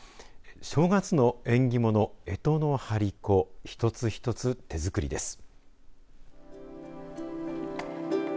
正月の縁起物えとの張り子一つ一つ、手作りです。